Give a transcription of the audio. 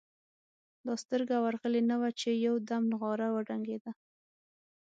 لا سترګه ورغلې نه وه چې یو دم نغاره وډنګېده.